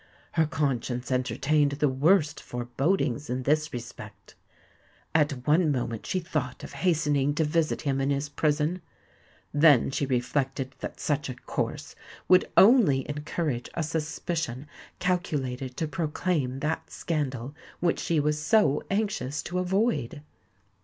Her conscience entertained the worst forebodings in this respect. At one moment she thought of hastening to visit him in his prison: then she reflected that such a course would only encourage a suspicion calculated to proclaim that scandal which she was so anxious to avoid.